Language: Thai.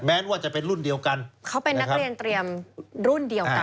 ว่าจะเป็นรุ่นเดียวกันเขาเป็นนักเรียนเตรียมรุ่นเดียวกัน